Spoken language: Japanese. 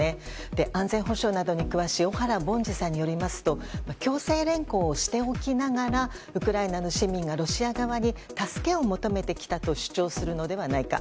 安全保障などに詳しい小原凡司さんによりますと強制連行をしておきながらウクライナの市民がロシア側に助けを求めてきたと主張するのではないか。